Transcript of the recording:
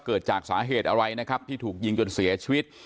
เกิดจากสาเหตุอะไรนะครับที่ถูกยิงจนเสียชีวิต